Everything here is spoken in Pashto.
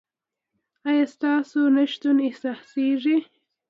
ایا ستاسو نشتون احساسیږي؟